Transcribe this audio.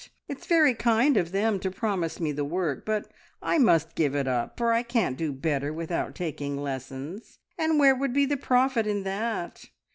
It's very kind of them to promise me work, but I must give it up, for I can't do better without taking lessons, and where would be the profit in that?